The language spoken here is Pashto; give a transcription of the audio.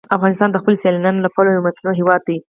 افغانستان د خپلو سیلابونو له پلوه یو متنوع هېواد دی.